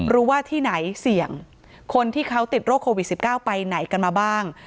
ว่าที่ไหนเสี่ยงคนที่เขาติดโรคโควิด๑๙ไปไหนกันมาบ้าง